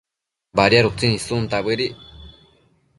Badiad utsin issunta bëdic